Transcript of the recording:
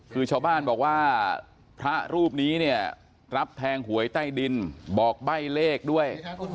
คือชาวบ้านบอกว่าพระรูปนี้เนี่ยรับแทงหวยใต้ดินบอกใบ้เลขด้วย